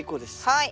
はい。